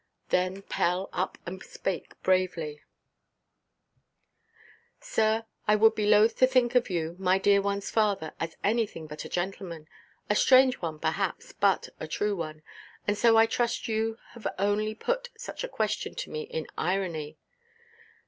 Then Pell up and spake bravely: "Sir, I would be loth to think of you, my dear oneʼs father, as anything but a gentleman; a strange one, perhaps, but a true one. And so I trust you have only put such a question to me in irony."